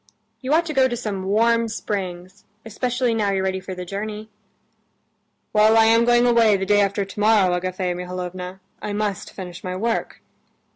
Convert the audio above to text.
You ought to go to some warm springs, especially now you're ready for the journey." "Well, I am going away the day after tomorrow, Agafea Mihalovna; I must finish my work."